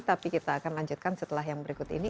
tapi kita akan lanjutkan setelah yang berikut ini